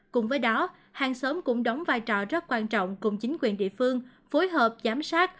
cùng với đó hàng xóm cũng đóng vai trò rất quan trọng cùng chính quyền địa phương phối hợp giám sát